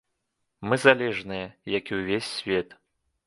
Мы залежныя, як і ўвесь свет.